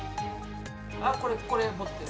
あこれ持ってる。